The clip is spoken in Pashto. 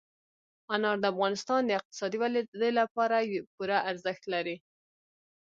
انار د افغانستان د اقتصادي ودې لپاره پوره ارزښت لري.